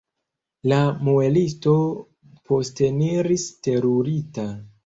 La muelisto posteniris terurita.